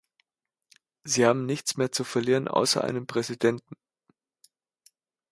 Sie haben nichts mehr zu verlieren, außer einem Präsidenten.